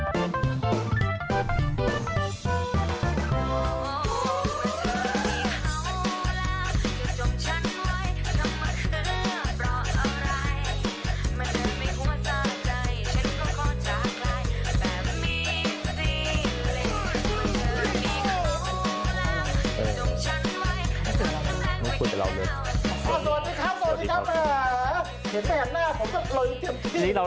สวัสดีครับสวัสดีครับสวัสดีครับ